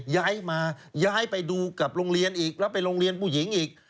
ย้ายมาย้ายไปดูกับโรงเรียนอีกแล้วไปโรงเรียนผู้หญิงอีก